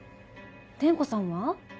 天子さんは？